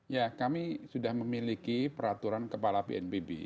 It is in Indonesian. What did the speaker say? ya kami sudah memiliki peraturan kepala bnpb